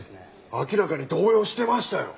明らかに動揺してましたよ。